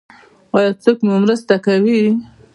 ایا څوک مو مرسته کوي؟